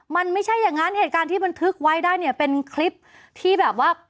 มันไม่ใช่อย่างนั้นเหตุการณ์ที่บันทึกไว้ได้เนี่ยเป็นคลิปที่แบบว่า